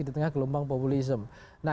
di tengah gelombang populisme